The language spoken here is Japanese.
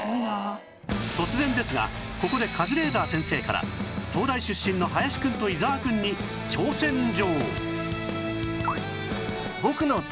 突然ですがここでカズレーザー先生から東大出身の林くんと伊沢くんに挑戦状